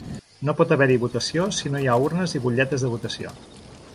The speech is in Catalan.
No pot haver-hi votació si no hi ha urnes i butlletes de votació.